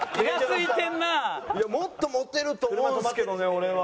いやもっとモテると思うんですけどね俺は。